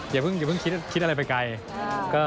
อย่าเพิ่งคิดอะไรไปไกล